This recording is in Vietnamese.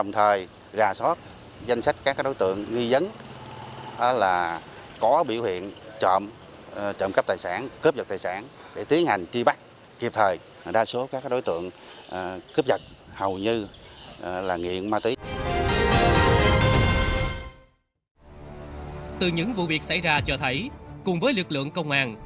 từ những vụ việc xảy ra cho thấy cùng với lực lượng công an